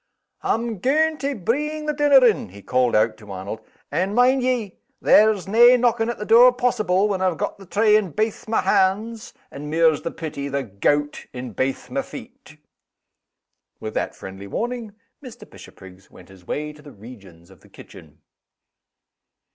"Am gaun' to breeng the dinner in!" he called out to Arnold. "And, mind ye, there's nae knocking at the door possible, when I've got the tray in baith my hands, and mairs the pity, the gout in baith my feet." With that friendly warning, Mr. Bishopriggs went his way to the regions of the kitchen.